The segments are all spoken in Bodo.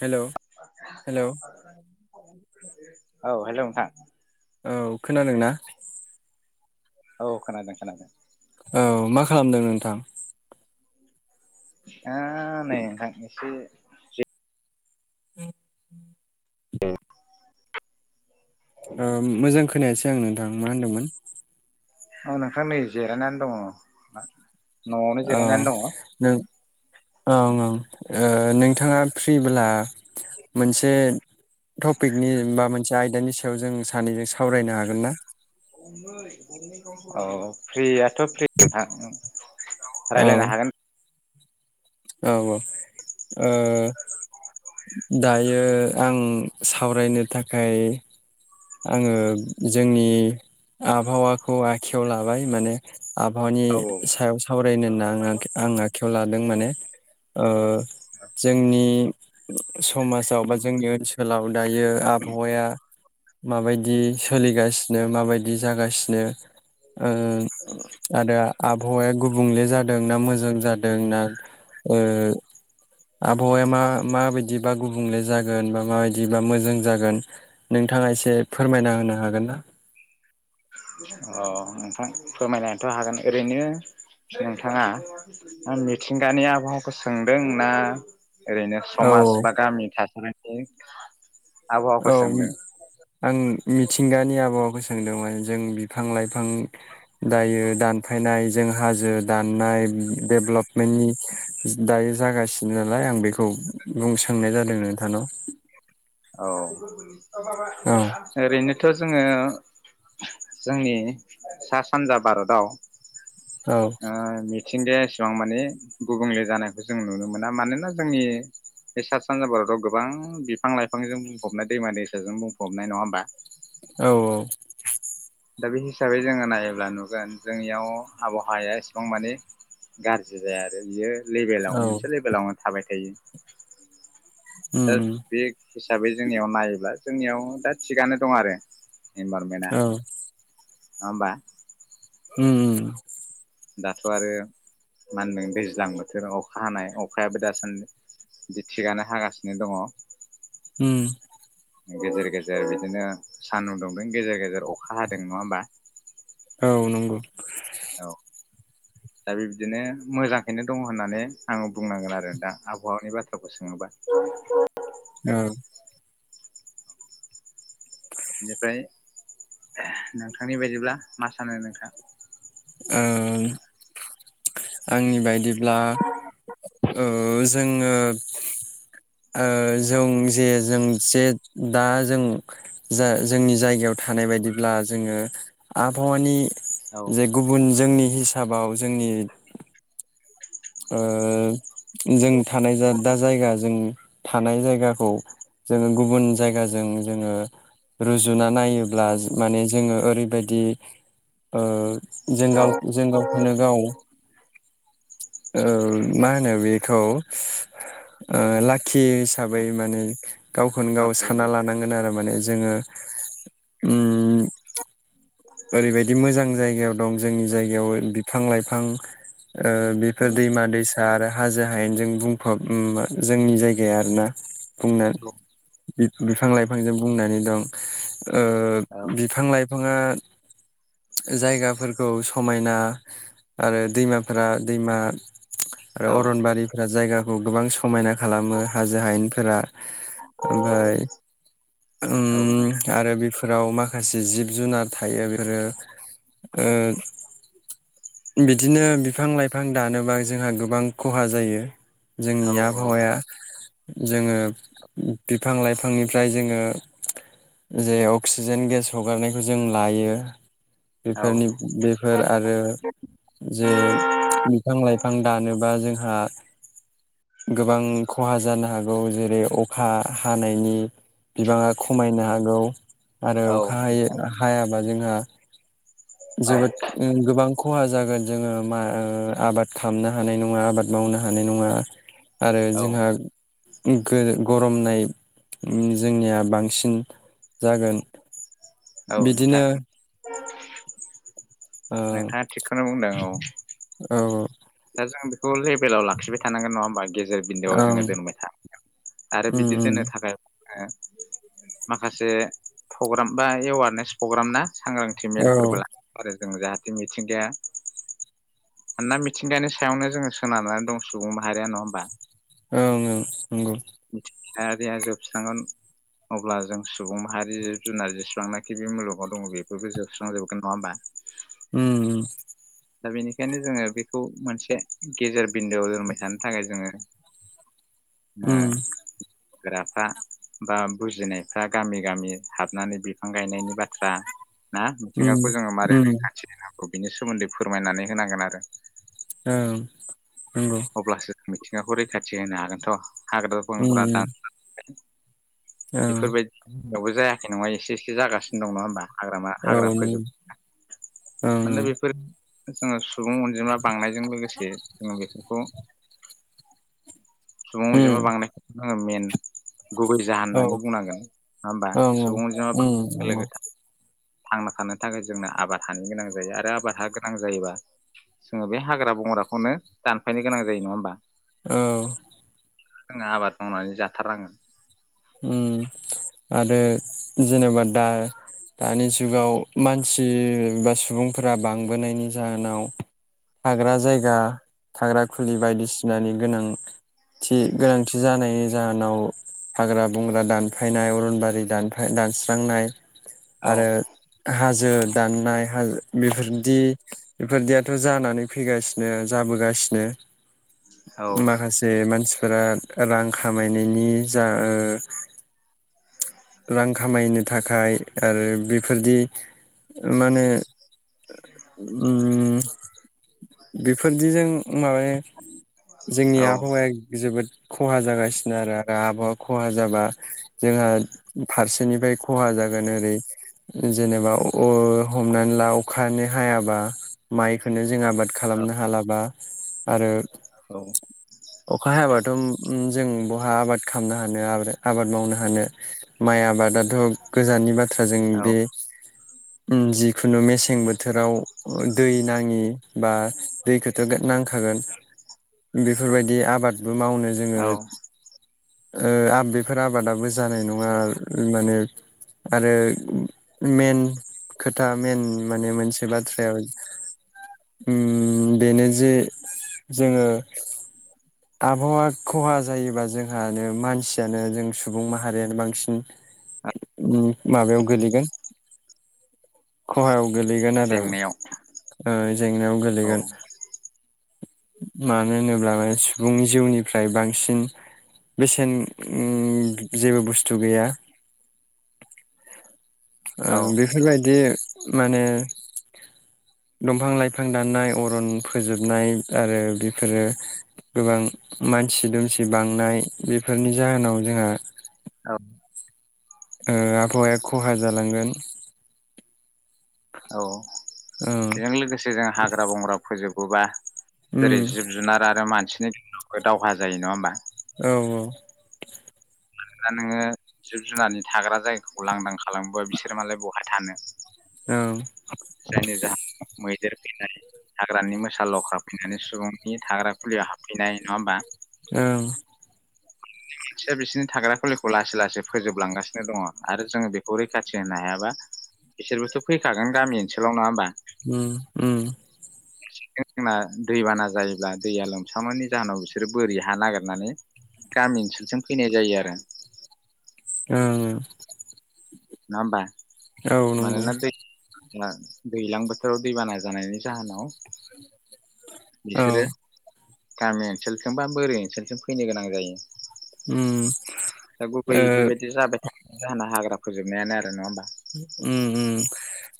हेल' हेल'। औ हेल' नोंथां। औ खोनादोंना? औ खोनादों खोनादों। औ मा खालामदों नोंथां? आ नै नोंथां एसे जि [unintelligible] ए। ओ मोजां खो खोनायासै आं नोंथां मा होनदोंमोन। औ नोंथां नै जिरायनानै दङ। न'आवनो औ जिरायनानै दङ नों ओं ओं। ओ नोंथाङा फ्रिब्ला मोनसे टपिकनि बा मोनसे आयदानि सायाव जों सानैजों सावरायनो हागोन ना? औ फ्रि। थ फ्रि नोंथा। औ रायलायनो हागोन। औ औ ओ दायो आं सावरायनो थाखाय आङो जोंनि आबहावाखौ आखायाव लाबाय माने। आबहावानि औ सायाव सावरायनो होनना आं आं आखायाव लादों माने। ओ जोंनि समाजाव बा जोंनि ओनसोलाव दायो आबहावाया माबायदि सोलिगासिनो माबायदि जागासिनो? ओ आरो आ आबहावाया गुबुंले जादों ना मोजां जादों ना? ओ आबहावाया मा माबायदिबा गुबुंले जागोन बा माबायदिबा मोजां जागोन नोंथाङा एसे फोरमायना होनो हागोनना? अ नोंथां फोरमायनायथ' हागोन ओरैनो नोंथाङा मिथिंगानि आबहावाखौ सोंदों ना? ओरैनो औ समाज बा गामि थासारि [inaudible] औ आं मिथिंगानि आबहावाखौ सोंदोंमोन जों बिफां लाइफां दायो दानफायनाय जों हाजो दाननाय डेभेलपमेन्टनि दायो जागासिनो नालाय आं बेखौ बुंनो सोंनाय जादों नोंथानाव। औ। ओरैनोथ' जोङो जोंनि सा सानजा भारताव औ ओ मिथ मिथिंगाया एसेबां माने गुबुंले जानायखौ जों नुनो मोना मानोना जोंनि बे सा सानजा भारताव गोबां बिफां लाइफांजों बुंफबनाय दैमा दैसाजों बुंफबनाय नङा होमबा? औ औ। दा बे हिसाबै जोङो नायोब्ला नुगोन जोंनियाव आबहावाया एसेबां मानि गाज्रि जाया आरो बियो औ लेभेलाव मोनसे लेभेलावनो थाबाय थायो। उम दा उम बे हिसाबै जोंनियाव नायोब्ला जोंनियाव दा थिगानो दं आरो। इनभारमेन्टा औ नङा होमबा। ओम ओम। दाथ' आरो मा होनदों दैज्लां बोथोर अखा हानाय अखायाबो दासान्दि बि थिगानो हागासिनो दङ। होम गेजेर गेजेर बिदिनो सानदुं दुंदों गेजेर गेजेर अखा हादों नङा होमबा? औ नंगौ। औ दा बिबदिनो मोजांखैनो दङ होननानै आं बुंनांगोन आरो दा आबहावानि बाथ्राखौ सोङोबा। औ। बेनिफ्राय नोंथांनि बायदिब्ला मा सानो नोंथाङा? ओं आंनि बायदिब्ला ओ जोङो ओ जों जे जों जे दा जों जा जोंनि जायगायाव थानाय बायदिब्ला जोङो आबहावानि औ जे गुबुन जोंनि हिसाबाव जोंनि ओ जों थानाय दा जायगा जों थानाय जायगाखौ। जोङो गुबुन जायगाजों जोङो रुजुना नायोब्ला औ माने जोङो ओरैबायदि ओ जों औ गाव जों गावखौनो गाव ओ मा होनो बेखौ लाखि हिसाबै माने गावखौनो गाव सानना लानांगोन आरो माने जोङो ओम ओरैबायदि मोजां जायगायाव दं। जोंनि जायगायाव बिफां लाइफां ओ बेफोर दैमा दैसा आरो हाजो हायेनजों बुंफब जोंनि जायगाया आरोना बुंना बिफां लाइफांजों बुंनानै दं। ओ बिफां लाइफाङा जायगाफोरखौ समायना, आरो दैमाफोरा दैमा आरो औ अरनबारिफोरा जायगाखौ गोबां समायना खालामो हाजो हायेनफोरा ओमफ्राय। ओम नोंथां आरो बेफोराव माखासे जिब जुनार थायो बे फोरो ओ बिदिनो बिफां लाइफां दानोबा जोंहा गोबां खहा जायो। जोंनि औ आबहावाया जोङो बिफां लाइफांनिफ्राय जोङो जे अक्सिजेन गेस हगारनायखौ जों लायो। बेफोरनि बेफोर आरो। जे बिफां लाइफां दानोबा जोंहा गोबां खहा जानो हागौ, जेरै अखा हानायनि बिबाङा खमायनो हागौ। आरो औ औ अखा ह नोंथां हाया। बा जोंहा जोबोद गोबां खहा जागोन जोङो मा ओ आबाद खालामामनो हानाय नङा। आबाद मावनो हानाय नङा आरो औ जोंहा गो गरमनाय जोंनिया बांसिन जागोन। औ नोंथां बिदिनो औ नोंथाङा थिगखौनो बुंदों औ औ दा जों बेखौ लेभेलाव लाखिबाय थानांगोन नङा होमबा? गेजेर बिन्दोआव ओं जोङो दोनबाय थोनांगोन आरो उम बिदि उम दोननो थाखाय ओ माखासे फग्राम बा एवारनेस फग्राम ना? सांग्रांथि औ मेलफोरबो ओं ला आरो जों जाहाथे मिथिंगाया मानोना मिथिंगानि सायावनो जोङो सोनारनानै दं सुबुं माहारिया नङा होमबा? ओं ओं नंगौ। मिथिंगायारिया जोबस्रांगोन अब्ला जों सुबुं माहारि जिब जुनार जेसेबांनाखि बे मुलुगाव दङ बेफोरबो जोबस्रांजोबगोन नङा होमबा? ओम उम। दा बेनिखायनो जोङो बेखौ मोनसे गेजेर बिन्दोआव दोनबाय थानो थाखाय जोङो ओ उम गोराफ्रा बा बुजिनायफ्रा गामि गामि हाबनानै बिफां गायनायनि बाथ्रा ना उम मिथिंगाखौ जोङो मारै उम रैखाथि होनां गौ बिनि सोमोन्दै फोरमायनानै होनांगोन आरो औ। अब्लासो मिथिं गाखौ रैखाथि होनो हागोनथ' हाग्रा बंग्रा उम दानस्रांनाय उम औ बेफोरबायदि यावबो जायाखै नङा एसे एसे जागासिनो दङ नङा होमबा? हाग्रामा औ हाग्रा उम ओं फोजोब माने बेफोर जोङो सु बुं अनजिमा बांनायजों लोगोसे से जोङो बेफोरखौ सुबुं उम अनजिमा बांनाय। आङो मेन गुबै जाहोन औ होननानै बुंनांगोन नङा होमबा ओं ओं सुबुं अनजिमा उम बांनाय लोगो नंगौ थांना थानो थाखाय जोंनो आबाद हानि गोनां जायो आरो आबाद हा गोनां जायोबा जोङो बे हाग्रा बंग्राखौनो दानफायनो गोनां जायो नङा होमबा? औ। जोंना आबाद मावनानै जाथारनांगोन। ओम आरो जेनेबा दा-दानि जुगाव मानसि बा सुबुंफोरा बांबोनायनि जाहोनाव थाग्रा जायगा थाग्रा खुलि बायदिसिनानि गोनांथि गोनांथि जानायनि जाहोनाव हाग्रा बंग्रा दानफायनाय अरनबारि दानफाय दानस्रांनाय। औ आरो हाजो। दाननाय हजो बेफोरदि बेफोरदियाथ जानानै फैगासिनो जाबोगासिनो। औ माखासे मानसि फोरा रां खामायनायनि। जा ओ रां खामायनो थाखाय आरो बेफोरदि माने उम बेफोरदिजों। माबायो जोंनि औ आबहावाया जोबोद। खहा जागासिनो आरो आरो आबहावा खहा जाबा जोंहा। फारसेनिफ्राय खहा जागोन ओरै जेनेबा अ हमनानै ला अखानो हायाबा माइखोनो जों आबाद खालामनो हालाबा। आरो। औ। अखा हायाबाथ' जों बहा आबाद खामनो हानो [unintelligible] आबाद मावनो हानो माइ आबादाथ गोजाननि बा थ्रा जों औ बे। उम जि खुनु मेसें बोथोराव। दै नाङि बा दैखोथो नांखागोन बे फोरबायदि आबाद बो मावनो जोङो। औ ओयो आब बेफोर आबादाबो जानाय नङा माने आरो मेन खोथा मेन माने मोनसे बाथ्रायाव उम बेनो जे जोङो। आबहावा खहा जायोबा जोंहानो मानसियानो जों सुबुं माहारियानो बांसिन ओम माबायाव गोलैगोन खहायाव। गोलैगोन आरो जेंनायाव ओयो जेंनायाव औ गोलैगोन। मानो नों ब्लामे सुबुं जिउनिफ्राय बांसिन बेसेन उम जेबो बुस्थु गैया। औ ओम बेफोरबायदि। माने दंफां लाइफां दाननाय अरन फोजोबनाय आरो बेफोरो। गोबां मानसि दुमसि बांनाय बेफोरनि जाहोनाव जोंहा औ। ओयो आबहावाया खहा जालांगोन। औ औ बेजों लोगोसे जों हाग्रा बंग्रा फोजोब बोबा नंगौ जेरै जिब जुनार आरो मानसि। जोंनि लुखो दावहा जायो नङा होमबा? औ औ। मानोना नोङो जिब जुनारनि थाग्रा जायगाखौ लांदां खालामोबा बिसोरो मालाय बहाय थानो? जायनि जाहोन मैदेर फैनाय। हाग्रानि मोसा लख्रा फैनानै सुबुंनि थाग्रा खुलियाव हाबफैनाय नङा होमबा? ओं। आंदिनै मिथिया बिसिरनि थाग्रा खुलिखौ लासै लासै फोजोबलांगासिनो दङ आरो जोङो बेखौ रैखाथि होनो हायाबा बिसोरबोथ' फैखागोन गामि ओनसोलाव नङा होमबा? उम उम। मिथिंगा जोंना दैबाना जायोब्ला दैया लोमसावनायनि जाहोनाव बिसोरो बोरि हा नागिरनानै गामि ओनसोलजों फैनाय जायो आरो। ओयो। नङा होमबा? औ नंगौ। ओयो दैज्लां बोथोराव दैबाना जानायनि जाहोनाव बिसोरो गामि ओनसोलजोंबा बोरि ओनसोलजों फैनो गोनां जायो। उम। गुबै बिदिबायदि जाबाय था जाहोना हाग्रा फोजोबनायानो ओरो नङा होमबा? उम उम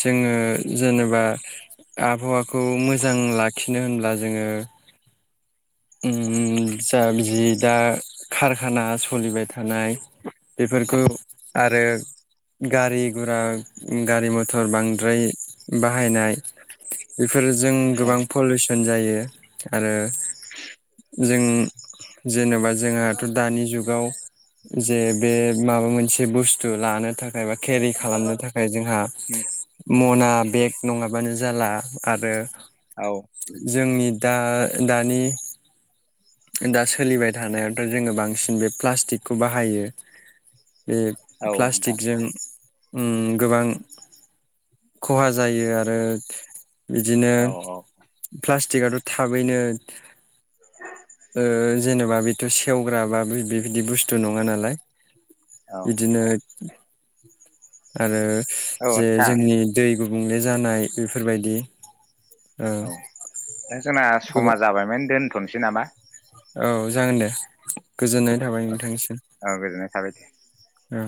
जोङो जेनेबा आबहावाखौ मोजां लाखिनो होनब्ला जोङो [unintelligible] फोरजों औ गोबां पलिसन। होनजायो आरो जों जेन'बा जोंहाथ' दानि जुगाव जे बे माबा मोनसे बुस्थु लानो थाखाय बा केरि खालामनो थाखाय जोंहा मना बेग नङाबानो जाला आरो जोंनि दा दानि दा सोलिबाय थानायावथ' जोङो बांसिन बे प्लास्टिकखौ बाहायो बे औ नोंथां प्लास्टिकजों उम गोबां खहा जायो आरो बिदिनो औ औ प्लास्टिकआथ' थाबैनो ओयो जेनेबा बेथ' सेवग्राबा बि-बेबि बिदि बुस्थु नङा नालाय औ बिदिनो आरो औ जे नोंथां जोंनि दै गुबुंले जानाय बेफोरबायदि ओयो। औ दा जोंना समा जाबायमोन दोन थनसै नामा? औ जागोन दे गोजोननाय थाबाय नोंथांनिसिम औ गोजोननाय थाबाय दे। औ